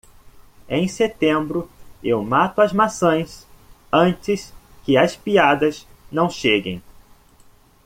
Em setembro, eu mato as maçãs antes que as piadas não cheguem.